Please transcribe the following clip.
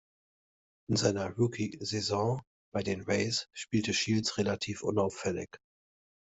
In seiner Rookie-Saison bei den Rays spielte Shields relativ unauffällig.